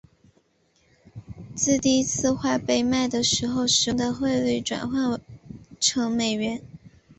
自第一次画被卖的时候使用的汇率转换成美元。